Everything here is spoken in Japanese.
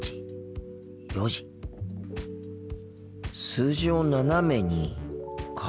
「数字を斜めに」か。